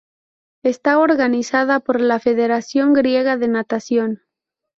Está organizada por la Federación Griega de natación.